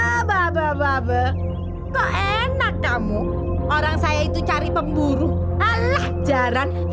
hahaha hahaha hahaha baa baa baa baa kok enak kamu orang saya itu cari pemburu alah jarang